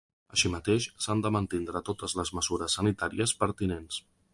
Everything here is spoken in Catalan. Així mateix, s’han de mantindre totes les mesures sanitàries pertinents.